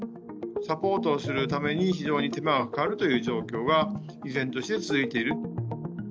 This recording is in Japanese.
サポートをするために非常に手間がかかるという状況が依然として続いている。